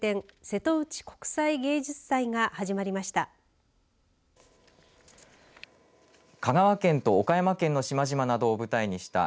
瀬戸内国際芸術祭が始まりました。